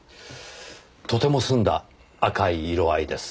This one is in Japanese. とても澄んだ赤い色合いです。